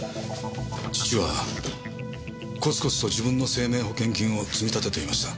義父はコツコツと自分の生命保険金を積み立てていました。